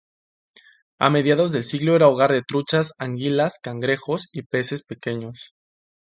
A mediados del siglo era hogar de truchas, anguilas, cangrejos y peces pequeños.